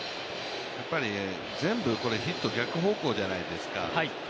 これ、全部ヒット逆方向じゃないですか。